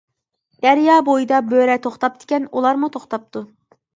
دەريا بويىدا بۆرە توختاپتىكەن، ئۇلارمۇ توختاپتۇ.